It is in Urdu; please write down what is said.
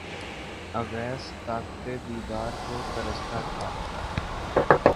اویس طاقت دیدار کو ترستا تھا